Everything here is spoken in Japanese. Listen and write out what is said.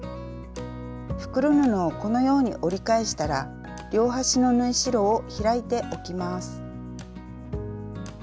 袋布をこのように折り返したら両端の縫い代を開いておきます。